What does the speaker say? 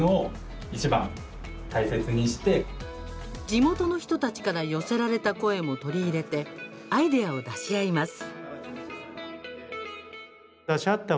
地元の人たちから寄せられた声も取り入れてアイデアを出し合います。